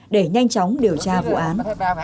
để nhanh chóng điều tra vụ án